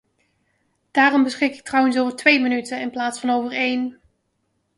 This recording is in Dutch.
Daarom beschik ik trouwens over twee minuten in plaats van over één.